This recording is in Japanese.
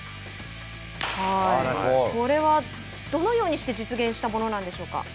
これはどのようにして実現したものなんでしょうか。